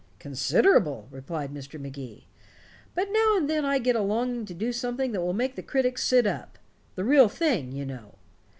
"Considerable," replied Mr. Magee. "But now and then I get a longing to do something that will make the critics sit up the real thing, you know.